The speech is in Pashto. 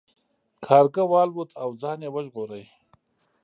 کارغه والوت او ځان یې وژغوره.